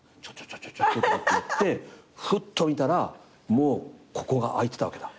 「ちょちょちょっ」って言ってふっと見たらもうここが開いてたわけだ。